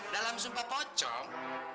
dalam sumpah pocong